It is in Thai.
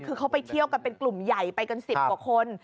คือเขาไปเที่ยวกันเป็นกลุ่มใหญ่ไปกัน๑๐กว่าคน